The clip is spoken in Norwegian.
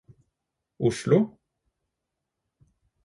Oslo